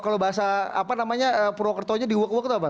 kalau bahasa apa namanya prokertonya di uak uak atau apa